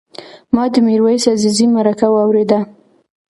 ما د میرویس عزیزي مرکه واورېده.